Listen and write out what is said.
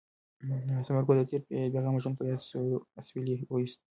ثمر ګل د تېر بې غمه ژوند په یاد سوړ اسویلی ویوست.